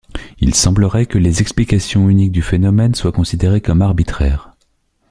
Il semblerait que les explications uniques du phénomène soient considérées comme arbitraires.